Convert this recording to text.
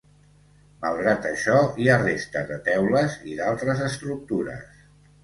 Malgrat això, hi ha restes de teules i d'altres estructures.